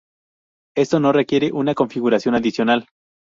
Esto no requiere una configuración adicional.